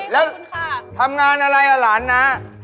แล้วทำงานอะไรอ่ะหลานนะ